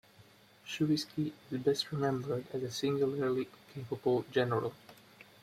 Shuisky is best remembered as a singularly incapable general.